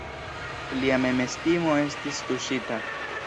Lia memestimo estis tuŝita.